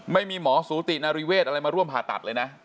ไม่มีหมอสูตินาริเวศอะไรมาร่วมผ่าตัดเลยนะ